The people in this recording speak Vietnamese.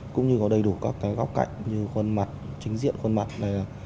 cũng như có đầy đủ các cái góc cạnh như khuôn mặt chính diện khuôn mặt này